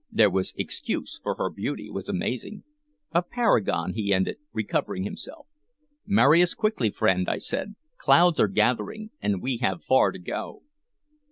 There was excuse, for her beauty was amazing. "A paragon," he ended, recovering himself. "Marry us quickly, friend," I said. "Clouds are gathering, and we have far to go."